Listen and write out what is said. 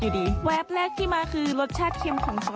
อื้อโขมค่ะทุกคน